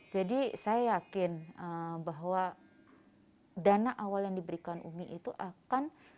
jadi saya yakin bahwa dana awal yang diberikan umi itu akan